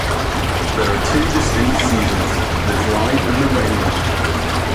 There are two distinct seasons, the dry and the rainy.